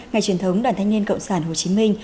ngày truyền thống đoàn thanh niên cộng sản hồ chí minh